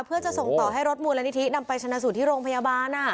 เพื่อจะส่งต่อให้รถมูลนิธินำไปชนะสูตรที่โรงพยาบาล